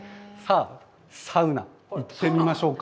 サウナ、行ってみましょうか。